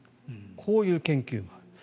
こういう研究がある。